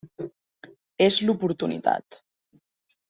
És l’oportunitat.